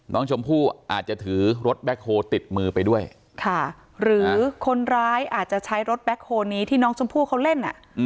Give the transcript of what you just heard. น้องชมพู่อาจจะถือรถแบ็คโฮลติดมือไปด้วยค่ะหรือคนร้ายอาจจะใช้รถแบ็คโฮลนี้ที่น้องชมพู่เขาเล่นอ่ะ